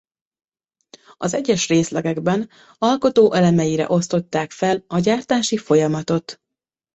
Az egyes részlegekben alkotóelemeire osztották fel a gyártási folyamatot.